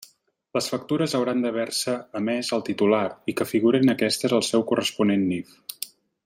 Les factures hauran d'haver-se emés al titular, i que figure en aquestes el seu corresponent NIF.